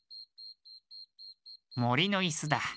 もりのいすだ。